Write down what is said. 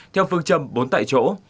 theo phương châm bốn tại chỗ